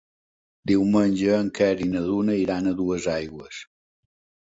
Diumenge en Quer i na Duna iran a Duesaigües.